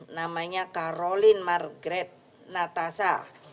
namanya karolin margaret natasa